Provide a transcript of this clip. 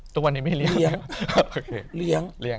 ทุกวันนี้ไม่เลี้ยง